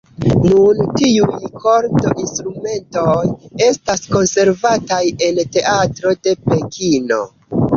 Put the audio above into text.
Nun tiuj kord-instrumentoj estas konservataj en teatro de Pekino.